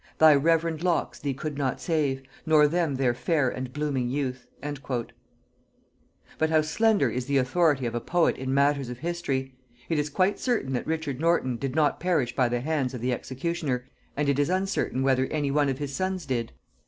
Thy reverend locks thee could not save, Nor them their fair and blooming youth!" [Note 69: See Percy's "Reliques," vol. ii.] But how slender is the authority of a poet in matters of history! It is quite certain that Richard Norton did not perish by the hands of the executioner, and it is uncertain whether any one of his sons did.